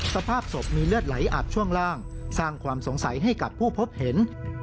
สภาพศพมีเลือดไหลอาบช่วงล่างสร้างความสงสัยให้กับผู้พบเห็น